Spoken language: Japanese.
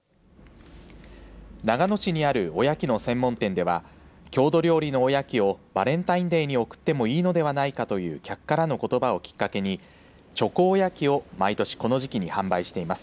長野市にあるおやきの専門店では郷土料理のおやきをバレンタインデーに贈ってもいいのではないかという客からのことばをきっかけにちょこおやきを毎年この時期に販売しています。